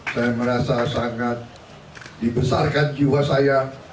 saya merasa sangat dibesarkan jiwa saya